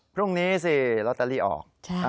พรุ่งนี้สิลอตเตอรี่ออก